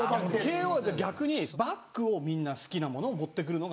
慶應逆にバッグをみんな好きなものを持ってくるのが。